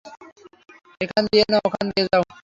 এখান দিয়ে না, ওখান দিয়ে যাও।